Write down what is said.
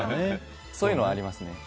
そういうのはありますね。